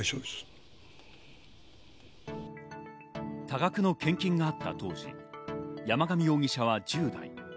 多額の献金があったとき、山上容疑者は１０代。